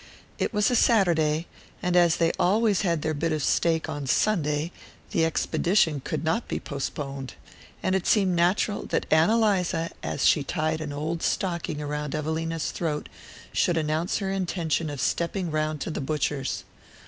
It was a Saturday, and as they always had their bit of steak on Sunday the expedition could not be postponed, and it seemed natural that Ann Eliza, as she tied an old stocking around Evelina's throat, should announce her intention of stepping round to the butcher's.